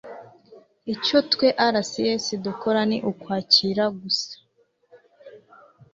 icyo twe RCS dukora ni ukwakira gusa".